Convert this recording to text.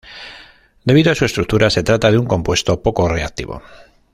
Debido a su estructura se trata de un compuesto poco reactivo.